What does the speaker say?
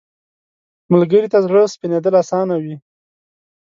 ملګری ته زړه سپینېدل اسانه وي